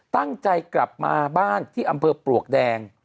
ตั้งใจกลับมาบ้านที่อำเภอปลวกแดง